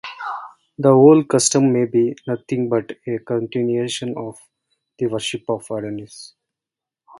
The whole custom may be nothing but a continuation of the worship of Adonis.